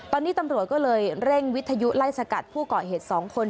ตอนนี้ตำรวจก็เลยเร่งวิทยุไล่สกัดผู้เกาะเหตุ๒คน